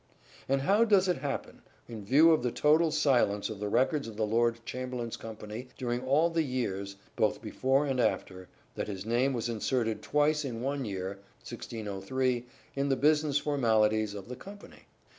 And how does it happen, in view of the total silence of the records of the Lord Chamberlain's company during all the years, both before and after, that his name was inserted twice in one year (1603) in the business formalities of the THE STRATFORDIAN VIEW 85 company